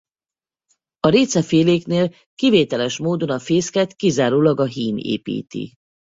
A réceféléknél kivételes módon a fészket kizárólag a hím építi.